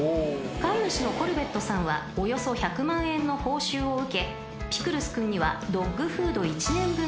［飼い主のコルベットさんはおよそ１００万円の報酬を受けピクルス君にはドッグフード１年分が贈呈されたそうです］